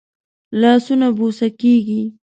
لاسونه بوسه کېږي